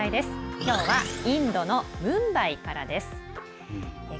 きょうはインドのムンバイからです。